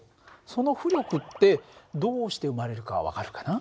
その浮力ってどうして生まれるかは分かるかな？